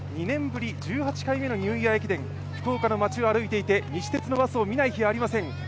２年ぶり１８回目のニューイヤー駅伝福岡の街を歩いていて西鉄のバスを見ない日はありません。